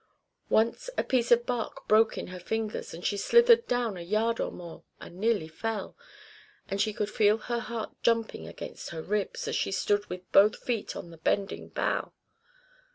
Once a piece of bark broke in her fingers, and she slithered down a yard or more and nearly fell; and she could feel her heart jumping against her ribs, as she stood with both feet on a bending bough.